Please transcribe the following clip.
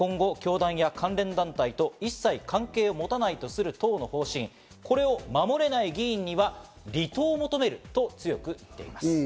自民党の茂木幹事長、今後教団や関連団体と一切関係を持たないとする党の方針を守れない議員には離党を求めると強く言っています。